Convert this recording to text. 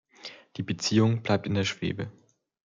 Die Beziehung bleibt in der Schwebe.